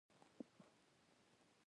د بادامو ګل په پسرلي کې ډیر ښکلی وي.